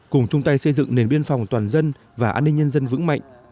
cùng chung tay xây dựng nền biên phòng toàn dân và an ninh nhân dân vững mạnh